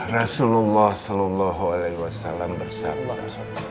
rasulullah saw bersabda